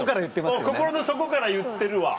うん心の底から言ってるわ。